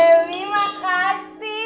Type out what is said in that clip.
oh bu dewi makasih